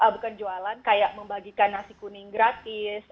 bukan jualan kayak membagikan nasi kuning gratis